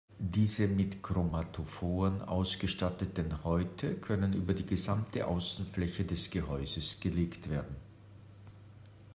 Diese mit Chromatophoren ausgestatteten Häute können über die gesamte Außenfläche des Gehäuses gelegt werden.